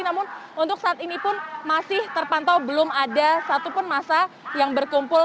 namun untuk saat ini pun masih terpantau belum ada satupun masa yang berkumpul